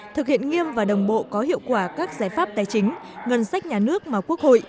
thực hiện nghiêm và đồng bộ có hiệu quả các giải pháp tài chính ngân sách nhà nước mà quốc hội